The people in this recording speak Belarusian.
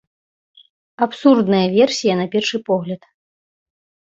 Абсурдная версія, на першы погляд.